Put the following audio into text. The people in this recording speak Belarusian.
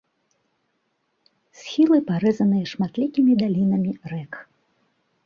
Схілы парэзаныя шматлікімі далінамі рэк.